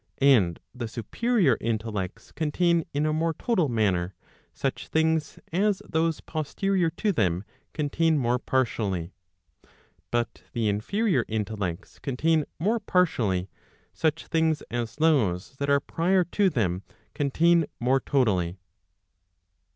And the superior intellects contain in a more total manner, such things as those posterior to them contain more partially. But the inferior intellects contain more partially, such things as those that are prior to them contain more totally.